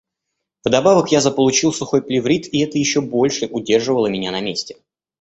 Вдобавок я заполучил сухой плеврит, и это ещё больше удерживало меня на месте.